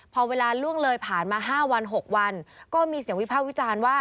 พอเวลาล่วงเลยผ่านมา๕วัน๖วันก็มีเสียงวิภาควิจารณ์ว่า